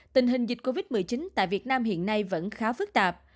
tình hình dịch covid một mươi chín tại việt nam hiện nay vẫn khá phức tạp